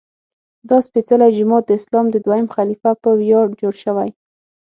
دا سپېڅلی جومات د اسلام د دویم خلیفه په ویاړ جوړ شوی.